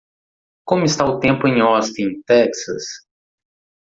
Como está o tempo em Austin, Texas?